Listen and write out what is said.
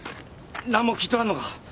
何も聞いとらんのか？